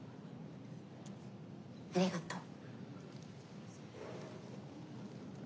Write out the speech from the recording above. ありがとう。